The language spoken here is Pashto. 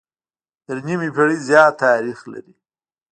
تر نيمې پېړۍ زيات تاريخ لري